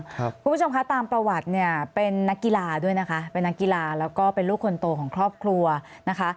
คุณผู้ชมคะตามประวัติเนี่ยเป็นนักกีฬาด้วยนะคะเป็นนักกีฬาแล้วก็เป็นลูกคนโตของครอบครัวนะคะ